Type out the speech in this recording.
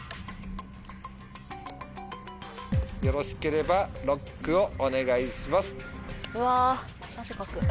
よろしければＬＯＣＫをお願いします。